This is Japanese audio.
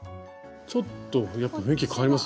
ちょっとやっぱ雰囲気変わりますね。